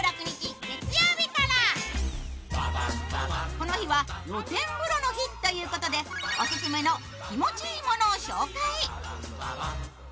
この日は露天風呂の日ということでオススメの気持ち良いものを紹介。